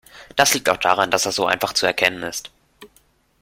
Das liegt auch daran, dass er so einfach zu erkennen ist.